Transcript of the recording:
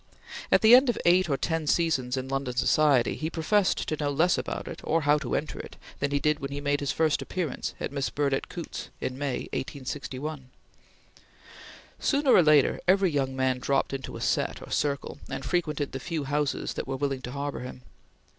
At the end of eight or ten seasons in London society he professed to know less about it, or how to enter it, than he did when he made his first appearance at Miss Burdett Coutts's in May, 1861. Sooner or later every young man dropped into a set or circle, and frequented the few houses that were willing to harbor him.